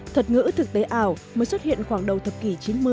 thuật ngữ thực tế ảo mới xuất hiện khoảng đầu thập kỷ chín mươi